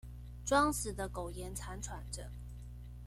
裝死的苟延慘喘著